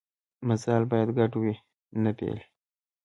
مزال باید ګډ وي نه بېل.